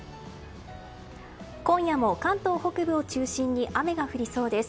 今夜も関東北部を中心に雨が降りそうです。